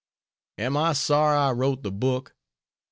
Am I sorry I wrote the book?